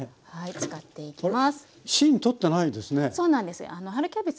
使っていきます。